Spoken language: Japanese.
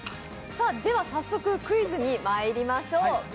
早速、クイズにまいりましょう。